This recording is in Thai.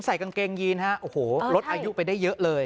ใส่กางเกงยีนฮะโอ้โหลดอายุไปได้เยอะเลย